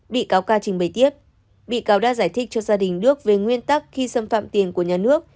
bị cáo ca trình bày tiếp bị cáo đã giải thích cho gia đình đức về nguyên tắc khi xâm phạm tiền của nhà nước